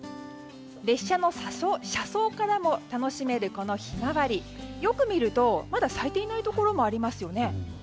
列車の車窓からも楽しめるこの、ヒマワリよく見るとまだ咲いていないところもありますよね。